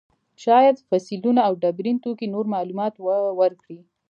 شاید فسیلونه او ډبرین توکي نور معلومات ورکړي.